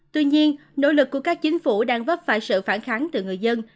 tuy nhiên nỗ lực của các chính phủ đang vấp phải sự phản kháng từ người dân